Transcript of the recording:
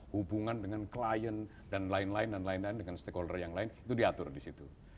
hubungan dengan klien dan lain lain dengan stakeholder yang lain itu diatur di situ